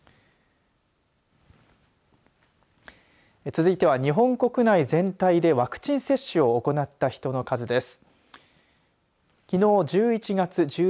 続いては日本国内全体でワクチン接種を行った人の数です。